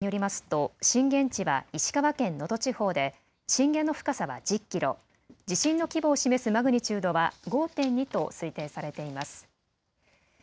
気象庁の観測によりますと震源地は石川県能登地方で震源の深さは１０キロ、地震の規模を示すマグニチュードは５．２と推定されています。